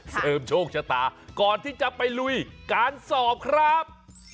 เสริมโชคชะตาก่อนที่จะไปลุยการสอบครับ